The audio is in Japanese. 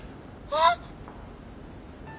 あっ！